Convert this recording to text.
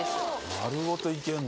丸ごといけんだ。